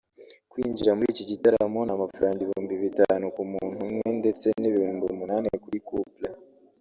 Kwinjira muri iki gitaramo ni amafaranga ibihumbi bitanu ku muntu umwe ndetse n’ibihumbi umunani kuri couple